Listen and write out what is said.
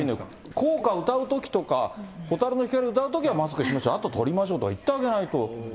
校歌歌うときとか、ほたるのひかりを歌うときはマスクしましょう、あと取りましょうとか言ってあげないと。